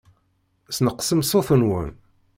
Sneqṣem ṣṣut-nwen.